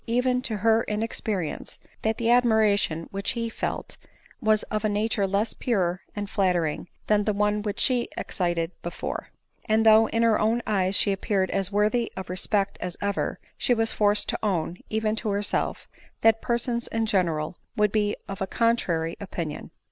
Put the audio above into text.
even to her inexperience, that the admiration which he then felt was of a nature less pure and flattering than the one which she excited before ; and though in her own eyes she appeared as worthy r>f respect as ever, she was forced to^own, even to herself, that persons in general u would be of a contrary opinion.